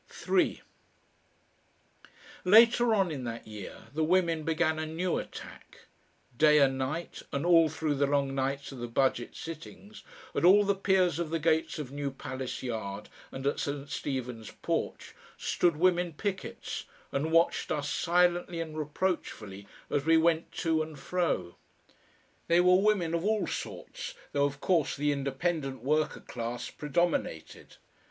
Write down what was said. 3 Later on in that year the women began a new attack. Day and night, and all through the long nights of the Budget sittings, at all the piers of the gates of New Palace Yard and at St. Stephen's Porch, stood women pickets, and watched us silently and reproachfully as we went to and fro. They were women of all sorts, though, of course, the independent worker class predominated.